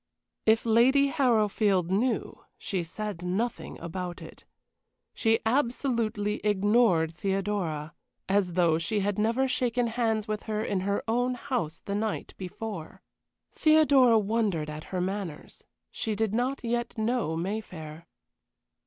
If Lady Harrowfield knew, she said nothing about it. She absolutely ignored Theodora, as though she had never shaken hands with her in her own house the night before. Theodora wondered at her manners she did not yet know Mayfair.